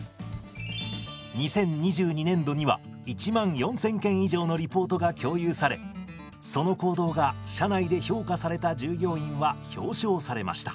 ２０２２年度には１万４，０００件以上のリポートが共有されその行動が社内で評価された従業員は表彰されました。